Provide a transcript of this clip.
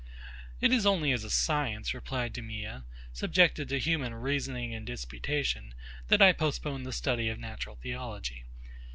It is only as a science, replied DEMEA, subjected to human reasoning and disputation, that I postpone the study of Natural Theology.